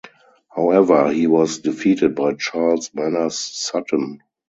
However, he was defeated by Charles Manners-Sutton.